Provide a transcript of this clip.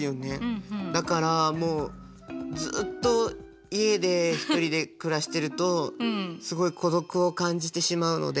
だからもうずっと家で１人で暮らしてるとすごい孤独を感じてしまうので。